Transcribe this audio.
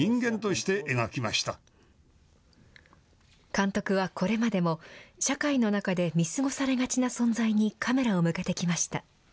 監督はこれまでも、社会の中で見過ごされがちな存在にカメラを向けてきました。